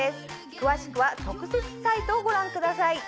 詳しくは特設サイトをご覧ください。